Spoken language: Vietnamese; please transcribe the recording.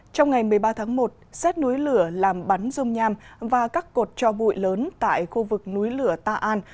trong ngày một mươi ba tháng một xét núi lửa làm bắn rung nham và các cột cho bụi lớn tại khu vực núi lửa ta an